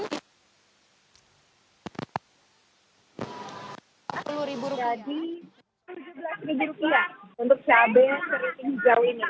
jadi tujuh belas ribu rupiah untuk cabai yang sering tinggi jauh ini